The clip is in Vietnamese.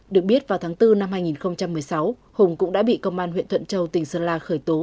được biết vào tháng bốn năm hai nghìn một mươi sáu hùng cũng đã bị công an huyện thuận châu tỉnh sơn la khởi tố